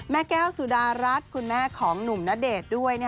แม่แก้วสุดารัฐคุณแม่ของหนุ่มณเดชน์ด้วย